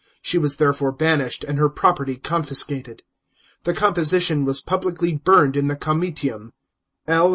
She was therefore banished, arid her property confiscated. The composition was publicly burned in the Comitium. L.